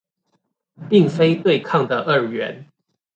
並非對抗的二元